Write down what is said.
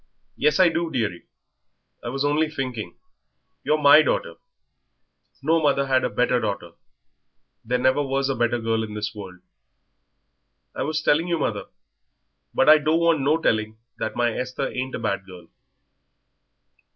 "Yes, I do, dearie. I was only thinking. You're my daughter; no mother had a better daughter. There never was a better girl in this world." "I was telling you, mother " "But I don't want no telling that my Esther ain't a bad girl."